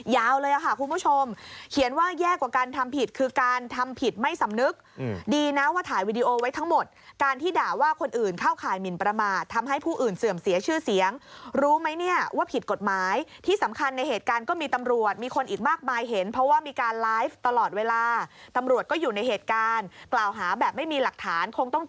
ยาวเลยค่ะคุณผู้ชมเขียนว่าแย่กว่าการทำผิดคือการทำผิดไม่สำนึกดีนะว่าถ่ายวีดีโอไว้ทั้งหมดการที่ด่าว่าคนอื่นเข้าข่ายหมินประมาททำให้ผู้อื่นเสื่อมเสียชื่อเสียงรู้ไหมเนี่ยว่าผิดกฎหมายที่สำคัญในเหตุการณ์ก็มีตำรวจมีคนอีกมากมายเห็นเพราะว่ามีการไลฟ์ตลอดเวลาตำรวจก็อยู่ในเหตุการณ์กล่าวหาแบบไม่มีหลักฐานคงต้อง